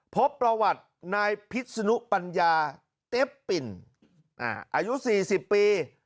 พบประวัตินายพิษนุปัญญาเอฟปิ่นอายุ๔๐ปี